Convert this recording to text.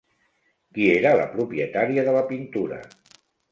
Qui era la propietària de la pintura?